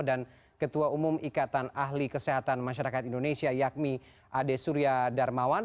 dan ketua umum ikatan ahli kesehatan masyarakat indonesia yakmi ade surya darmawan